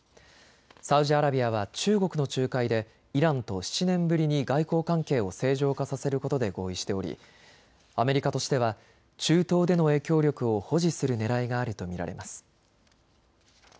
サウジアラビアは中国の仲介でイランと７年ぶりに外交関係を正常化させることで合意しておりアメリカとしては中東での影響力を保持するねらいがあると見られます。